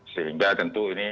sehingga tentu ini